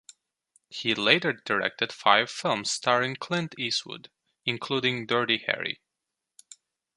He later directed five films starring Clint Eastwood, including "Dirty Harry".